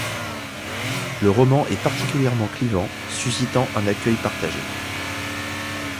Le roman est particulièrement clivant, suscitant un accueil partagé.